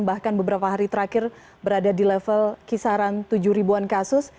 bahkan beberapa hari terakhir berada di level kisaran tujuh ribuan kasus